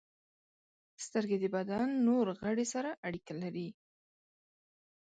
• سترګې د بدن نور غړي سره اړیکه لري.